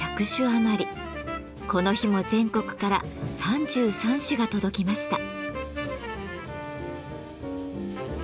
この日も全国から３３種が届きました。